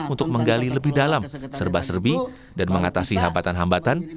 untuk menggali lebih dalam serba serbi dan mengatasi hambatan hambatan